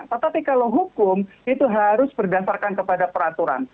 tetapi kalau hukum itu harus berdasarkan kepada peraturan